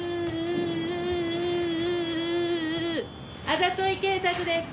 あざとい警察です。